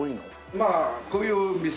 まあこういう店なんか。